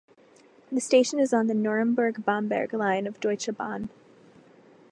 The station is on the Nuremberg–Bamberg line of Deutsche Bahn.